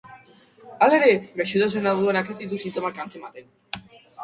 Hala ere, gaixotasun hau duenak ez ditu sintomak antzematen.